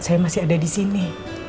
saya masih ada disini